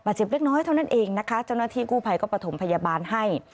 เจ็บเล็กน้อยเท่านั้นเองนะคะเจ้าหน้าที่กู้ภัยก็ประถมพยาบาลให้